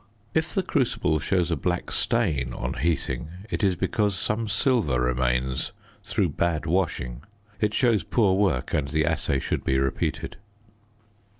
If the crucible shows a black stain on heating it is because some silver remains through bad washing. It shows poor work and the assay should be repeated.